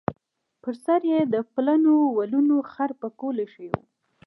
پر سر یې د پلنو ولونو خړ پکول ایښی و.